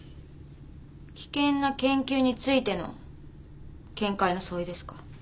危険な研究についての見解の相違ですか？